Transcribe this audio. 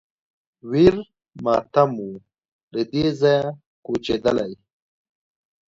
ویر ماتم و له دې ځایه کوچېدلی